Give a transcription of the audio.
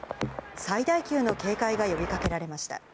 最大級の警戒が呼びかけられました。